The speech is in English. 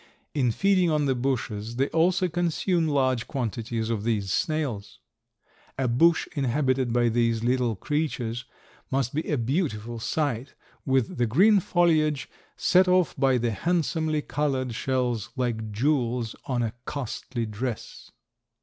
In feeding on the bushes, they also consume large quantities of these snails. A bush inhabited by these little creatures must be a beautiful sight, with the green foliage set off by the handsomely colored shells, like jewels on a costly dress.